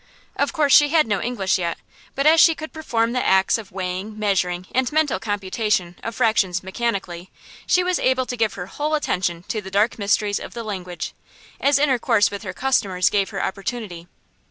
Of course she had no English yet, but as she could perform the acts of weighing, measuring, and mental computation of fractions mechanically, she was able to give her whole attention to the dark mysteries of the language, as intercourse with her customers gave her opportunity.